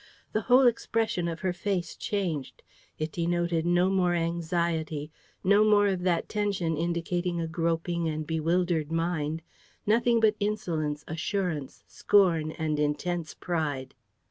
The whole expression of her face changed. It denoted no more anxiety, no more of that tension indicating a groping and bewildered mind, nothing but insolence, assurance, scorn and intense pride.